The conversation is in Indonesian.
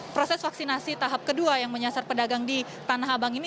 proses vaksinasi tahap kedua yang menyasar pedagang di tanah abang ini